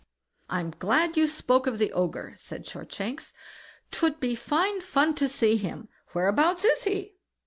"I'm glad you spoke of the Ogre", said Shortshanks; "'twould be fine fun to see him; whereabouts is he?"